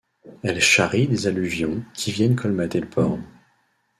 Elles charrient des alluvions qui viennent colmater le port.